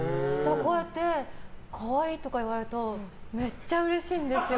こうやって可愛いとか言われるとめっちゃうれしいんですよ！